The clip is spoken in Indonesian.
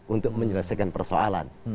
untuk menyelesaikan persoalan